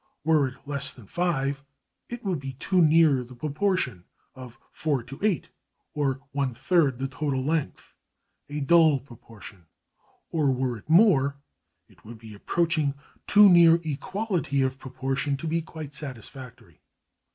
Were it less than 5, it would be too near the proportion of 4 to 8 (or one third the total length), a dull proportion; or were it more, it would be approaching too near equality of proportion to be quite satisfactory.